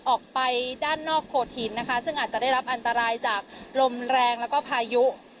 ออกไปด้านนอกโพธินนะคะซึ่งอาจจะได้รับอันตรายจากลมแรงแล้วก็พายุ